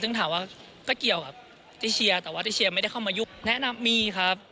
ซึ่งถามว่าก็เกี่ยวกับที่เชียร์แต่ว่าที่เชียร์ไม่ได้เข้ามายุคแนะนำมีครับ